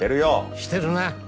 してるな。